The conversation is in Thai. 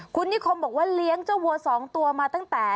คุณนิคมบอกว่าเลี้ยงเจ้าวัวสองตัวมาตั้งแต่